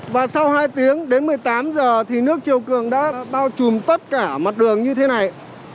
và sau hai tiếng đến một mươi tám giờ thì nước chiều cường đã bao trùm tất cả mặt đường như thế này